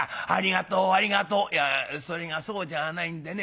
「いやそれがそうじゃあないんでね。